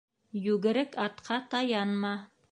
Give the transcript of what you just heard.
Йүгерек атҡа таянма.